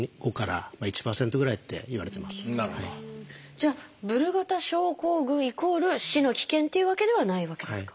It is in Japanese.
じゃあブルガダ症候群イコール死の危険っていうわけではないわけですか？